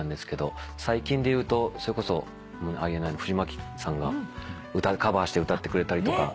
最近でいうとそれこそＩＮＩの藤牧さんがカバーして歌ってくれたりとか。